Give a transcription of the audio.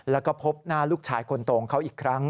แล้วก็พบหน้าลูกชายคนโตของเขาอีกครั้ง